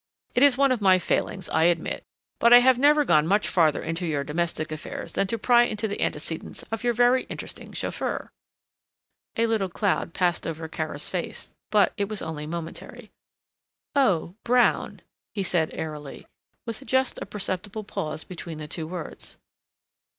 "It is one of my failings, I admit, but I have never gone much farther into your domestic affairs than to pry into the antecedents of your very interesting chauffeur." A little cloud passed over Kara's face, but it was only momentary. "Oh, Brown," he said, airily, with just a perceptible pause between the two words.